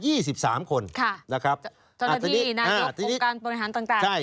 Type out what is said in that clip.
ที่นายกองการปนอาหารต่าง